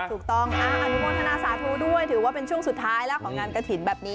ถูกต้องอนุโมทนาสาธุด้วยถือว่าเป็นช่วงสุดท้ายแล้วของงานกระถิ่นแบบนี้